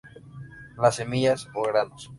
Las semillas o granos.